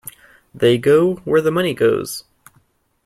They go where the money goes.